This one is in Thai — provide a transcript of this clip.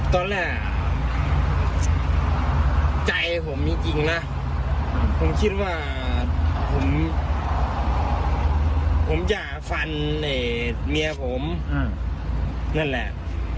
ตอนแรกใจผมมีจริงนะผมคิดว่าผมอย่าฟันเมียผมนั่นแหละ